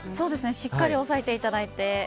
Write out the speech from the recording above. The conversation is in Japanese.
しっかり押さえていただいて。